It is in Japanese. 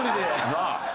なあ。